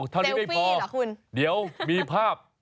เซลฟี่เหรอคุณเดี๋ยวมีภาพ